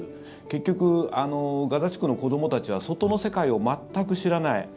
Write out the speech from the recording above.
結局、ガザ地区の子どもたちは外の世界を全く知らない。